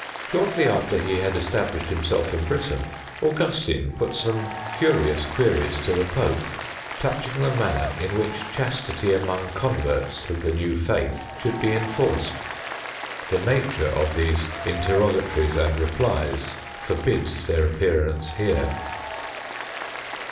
Shortly after he had established himself in Britain, Augustine put some curious queries to the Pope touching the manner in which chastity among converts to the new faith should be enforced. The nature of these interrogatories and replies forbids their appearance here.